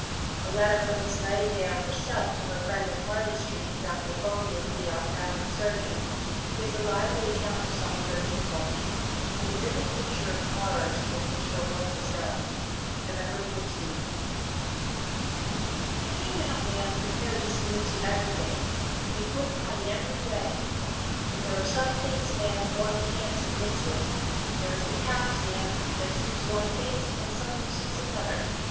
" Stanmore, vol. i. p. 349. A letter from Miss Nightingale herself to her friend of Harley Street, Dr. Bowman, the ophthalmic surgeon, gives a lively account of some of her difficulties, and a vivid picture of the horrors amid which her work was done (Nov. 14): "_I came out, Ma'am, prepared to submit to everything, to be put upon in every way. But there are some things, Ma'am, one can't submit to. There is the Caps, Ma'am, that suits one face, and some that suits another.